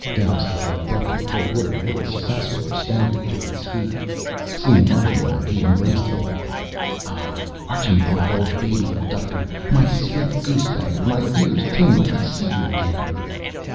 Doused with a bucket of cold water the little Ssassaror staggered to his feet. Seeing Archambaud, he embraced him. "Ah, Archambaud, old baby abductor, my sweet goose bagger, my ears tingle to see you again!"